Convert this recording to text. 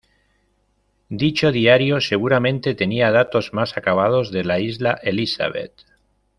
Dicho diario seguramente tenía datos más acabados de la Isla Elizabeth.